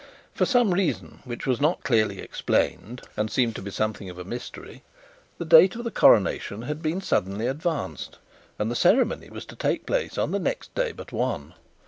For some reason, which was not clearly explained, and seemed to be something of a mystery, the date of the coronation had been suddenly advanced, and the ceremony was to take place on the next day but one.